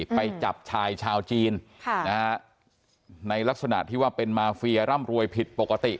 ไปจับชายชาวจีนในลักษณะที่ว่าเป็นมาเฟียร่ำรวยผิดปกติ